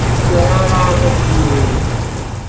Ur nesɛi ara aṭas n wuguren.